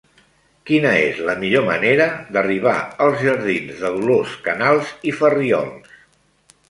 Quina és la millor manera d'arribar als jardins de Dolors Canals i Farriols?